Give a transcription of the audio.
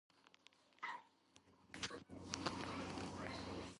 დაამხეს სახელმწიფო გადატრიალების შედეგად.